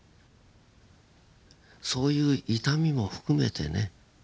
そういう痛みも含めてね